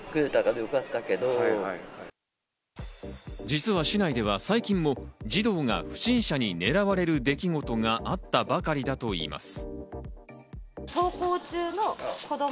実は市内では最近も、児童が不審者に狙われる出来事があったばかりだといいます。